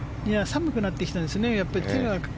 寒くなってきたんですね。